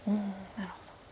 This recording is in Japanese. なるほど。